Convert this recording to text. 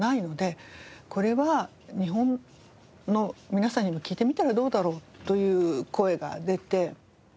これは日本の皆さんにも聞いてみたらどうだろうという声が出て。